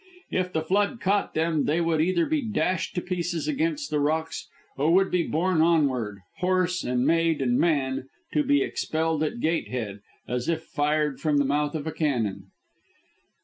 If the flood caught them they would either be dashed to pieces against the rocks or would be borne onward horse and maid and man to be expelled at Gatehead, as if fired from the mouth of a cannon.